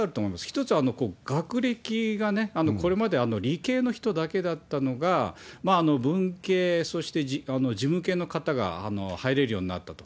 １つは学歴が、これまで理系の人だけだったのが、文系、そして事務系の方が入れるようになったと。